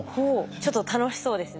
ちょっと楽しそうですね。